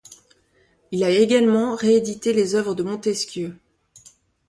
Il a également réédité les œuvres de Montesquieu.